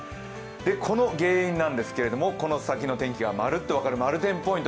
この原因なんですけれども、この先の天気が分かる「まる天ポイント」